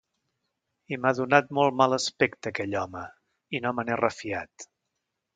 I m'ha donat molt mal aspecte aquell home i no me n'he refiat.